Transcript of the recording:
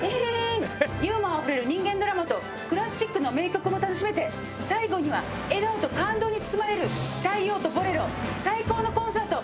ユーモアあふれる人間ドラマとクラシックの名曲も楽しめて最後には笑顔と感動に包まれる『太陽とボレロ』最高のコンサート